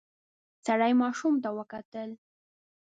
سړی ماشوم ته وکتل.